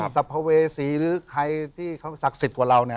สัมภเวษีหรือใครที่เขาศักดิ์สิทธิ์กว่าเราเนี่ย